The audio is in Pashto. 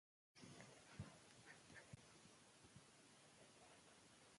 منندوی یم